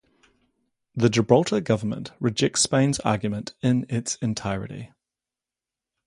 The Gibraltar government rejects Spain's argument in its entirety.